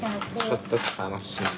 ちょっと楽しみ。